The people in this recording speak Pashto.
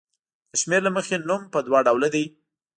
د شمېر له مخې نوم په دوه ډوله دی.